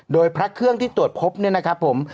โดยพระเครื่องที่ตรวจพบเนี่ยนะครับผม